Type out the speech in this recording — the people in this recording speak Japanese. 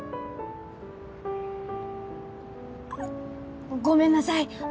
あっごめんなさい